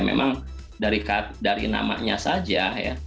memang dari namanya saja ya